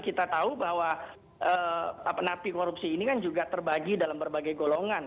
kita tahu bahwa napi korupsi ini kan juga terbagi dalam berbagai golongan